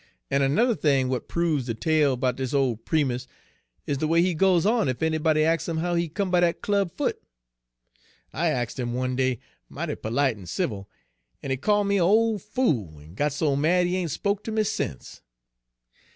En ernudder thing w'at proves de tale 'bout dis ole Primus is de way he goes on ef anybody ax' him how he come Page 129 by dat club foot. I axed 'im one day, mighty perlite en civil, en he call' me a' ole fool, en got so mad he ain' spoke ter me sence.